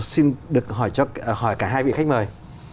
xin được hỏi cả hai vị khách mời